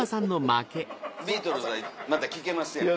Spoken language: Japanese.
ビートルズはまた聴けますやんか。